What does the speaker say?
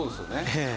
ええ。